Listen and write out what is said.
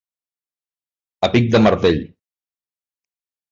A pic de martell.